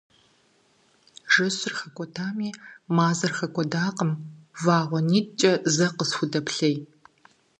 Жэщыр хэкӀуэтами, мазэр хэкӀуэдакъым, вагъуэ нитӀкӀэ зэ къысхудэплъей.